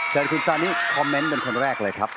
แต่คุณซานี่คอมเมนต์เป็นคนแรกเลยครับ